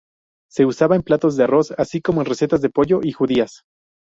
Se usa en platos de arroz, así como en recetas de pollo y judías.